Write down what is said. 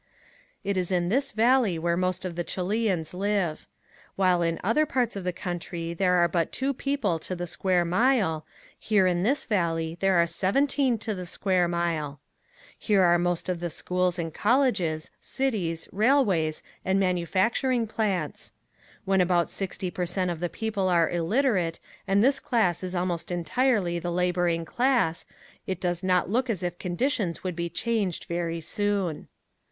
It is in this valley where most of the Chileans live. While in other parts of the country there are but two people to the square mile, here in this valley there are seventeen to the square mile. Here are most of the schools and colleges, cities, railways and manufacturing plants. When about sixty per cent of the people are illiterate and this class is almost entirely the laboring class it does not look as if conditions would be changed very soon.